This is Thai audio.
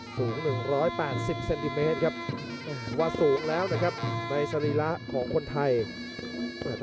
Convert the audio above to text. สูง๑๘๐เซนติเมตรครับว่าสูงแล้วนะครับในสรีระของคนไทย